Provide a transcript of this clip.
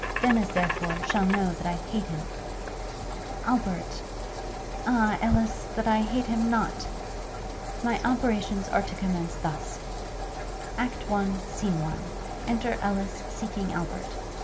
Dennis, therefore, shall know that I hate him; Albert ... Ah, Ellis! that I hate him not!' 'My operations are to commence thus: Act I. Scene I. Enter Ellis, seeking Albert.